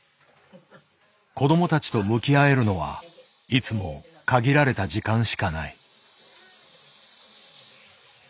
子どもたちと向き合えるのはいつも限られた時間しかない。